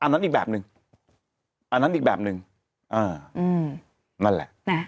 อันนั้นอีกแบบหนึ่งอันนั้นอีกแบบหนึ่งอ่าอืมนั่นแหละ